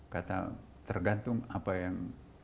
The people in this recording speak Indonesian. kata tergantung apa yang